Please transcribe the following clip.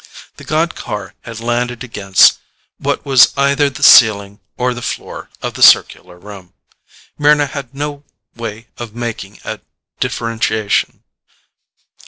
The god car had landed against what was either the ceiling or the floor of the circular room. Mryna had no way of making a differentiation.